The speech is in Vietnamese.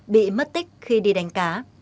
bị mất tích khi đi đánh cá